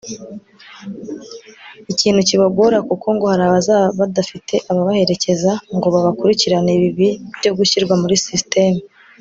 ikintu kibagora kuko ngo hari abaza badafite ababaherekeza ngo babakurikiranire ibi byo gushyirwa muri systeme